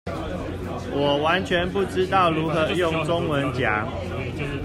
我完全不知道如何用中文講